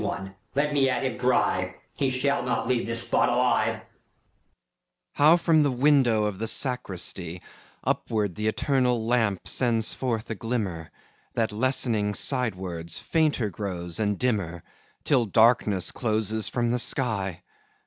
FAUST MEPHISTOPHELES FAUST How from the window of the sacristy Upward th'eternal lamp sends forth a glimmer, That, lessening side wards, fainter grows and dimmer, Till darkness closes from the sky!